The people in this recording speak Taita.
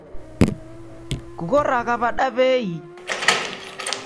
Kughoragha w'ada w'ei?